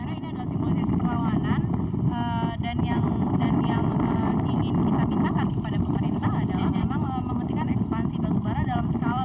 ini adalah simulasi keperlawanan dan yang ingin kita minta kepada pemerintah adalah